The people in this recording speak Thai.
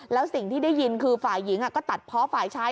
แล้วสิ่งที่ได้ยินคือฝ่ายหญิงก็ตัดเพาะฝ่ายชาย